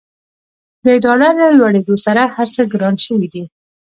د ډالر له لوړېدولو سره هرڅه ګران شوي دي.